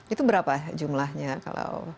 itu berapa jumlahnya